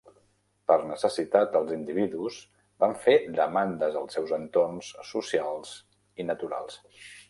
Per necessitat, els individus van fer demandes als seus entorns socials i naturals.